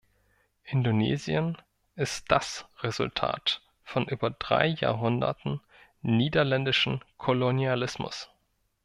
Indonesien ist das Resultat von über drei Jahrhunderten niederländischen Kolonialismus.